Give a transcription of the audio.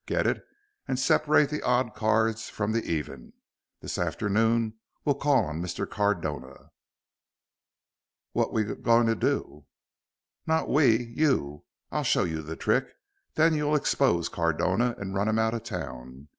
Get it and separate the odd cards from the even. This afternoon we'll call on Mr. Cardona." "What we g g going to do?" "Not we, you. I'll show you the trick. Then you'll expose Cardona and run him out of town.